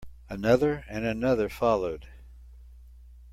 Another and another followed.